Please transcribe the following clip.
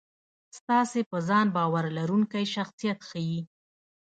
ستاسې په ځان باور لرونکی شخصیت ښي.